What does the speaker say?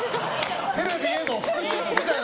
テレビへの復讐みたいな。